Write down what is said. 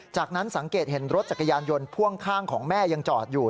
จากนั้นสังเกตเห็นรถจักรยานยนต์พ่วงข้างของแม่ยังจอดอยู่